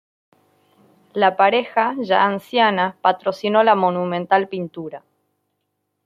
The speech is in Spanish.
La pareja, ya anciana, patrocinó la monumental pintura.